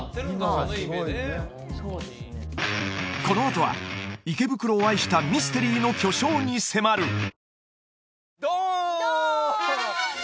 このあとは池袋を愛したミステリーの巨匠に迫る！